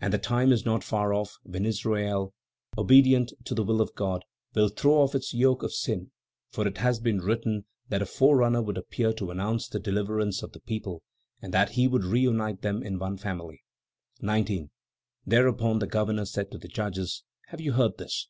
"And the time is not far off, when Israel, obedient to the will of God, will throw off its yoke of sin; for it has been written that a forerunner would appear to announce the deliverance of the people, and that he would reunite them in one family." 19. Thereupon the governor said to the judges: "Have you heard this?